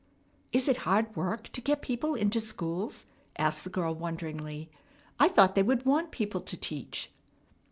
"Is it hard work to get people into schools?" asked the girl wonderingly. "I thought they would want people to teach."